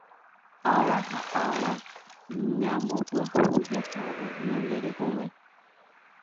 ára ha ára ñambopyahu jahávo ñande rekove